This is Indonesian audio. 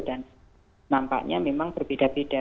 dan nampaknya memang berbeda